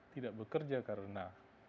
tidak bekerja karena